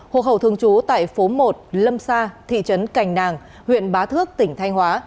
hộ khẩu thường trú tại phố một lâm sa thị trấn cành nàng huyện bá thước tỉnh thanh hóa